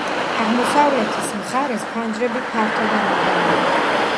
აღმოსავლეთის მხარეს ფანჯრები ფართო და მაღალია.